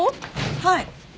はい。